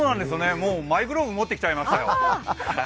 もう、マイグローブ持ってきちゃいましたよ。